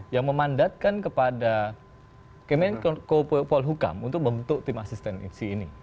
yang memandatkan kepada kementerian kepala hukum untuk membentuk tim asisten ini